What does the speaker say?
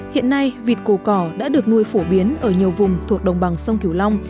hiện nay vịt cổ cỏ đã được nuôi phổ biến ở nhiều vùng thuộc đồng bằng sông kiều long